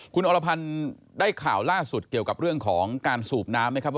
คุณอรพันธ์ได้ข่าวล่าสุดเกี่ยวกับเรื่องของการสูบน้ำไหมครับว่า